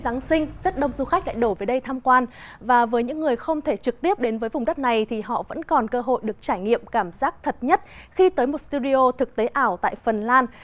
giáng sinh rất đông du khách lại đổ về đây tham quan và với những người không thể trực tiếp đến với vùng đất này thì họ vẫn còn cơ hội được trải nghiệm cảm giác thật nhất khi tới một studio thực tế ảo tại phần lan